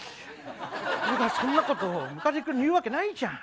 俺がそんなことをムカデ君に言うわけないじゃん。